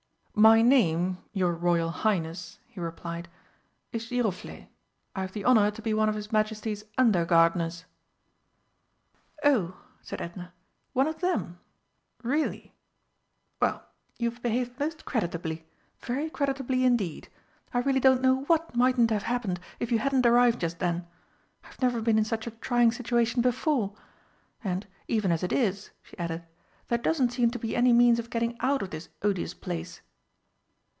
"My name, your Royal Highness," he replied, "is Giroflé. I have the honour to be one of his Majesty's under gardeners." "Oh," said Edna, "one of them? Really. Well, you have behaved most creditably very creditably indeed. I really don't know what mightn't have happened if you hadn't arrived just then. I have never been in such a trying situation before. And, even as it is," she added, "there doesn't seem to be any means of getting out of this odious place."